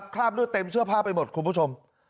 คราบเลือดเต็มเสื้อผ้าไปหมดคุณผู้ชม